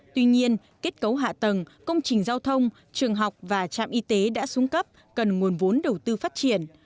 tuy nhiên kết cấu hạ tầng công trình giao thông trường học và trạm y tế đã xuống cấp cần nguồn vốn đầu tư phát triển